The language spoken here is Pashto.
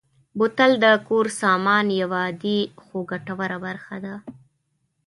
بوتل د کور سامان یوه عادي خو ګټوره برخه ده.